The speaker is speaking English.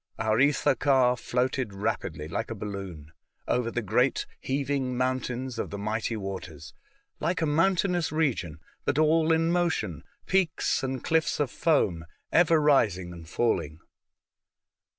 Our ether car floated rapidly, like a balloon, over the great heaving mountains of the mighty waters, — like a mountainous region, but all in motion, — peaks and clifis of foam ever rising and falling.